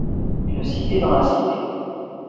Une cité dans la cité.